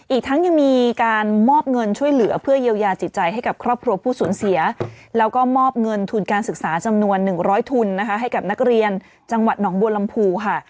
อีกทั้งยังมีการมอบเงินช่วยเหลือเพื่อเยียวยาจิตใจให้กับครอบครัวผู้สูญเสียแล้วก็มอบเงินทุนการศึกษาจำนวน๑๐๐ทุนนะคะให้กับนักเรียนจังหวัดหนองบัวลำพูค่ะ